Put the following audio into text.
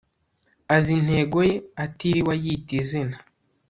Azi intego ye atiriwe ayita izina